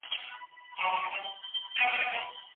خپلو خطاګانو ته متوجه اوسئ او توبه وباسئ.